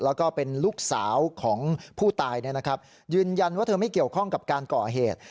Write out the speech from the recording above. แล้วก็เป็นลูกสาวของผู้ตายยืนยันว่าเธอไม่เกี่ยวข้องกับการก่อเหตุ